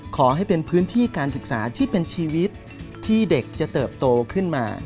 ขอให้เป็นพื้นที่การศึกษาที่เป็นชีวิตที่เด็กจะเติบโตขึ้นมา